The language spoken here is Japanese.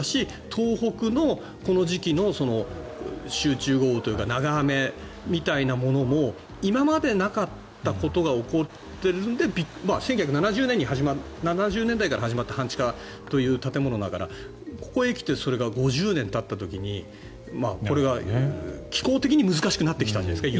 東北のこの時期の集中豪雨というか長雨みたいなものも今までなかったことが起こっているので１９７０年代から始まった半地下という建物だからここへ来てそれが５０年たった時にこれが気候的に難しくなってきたんじゃないですか。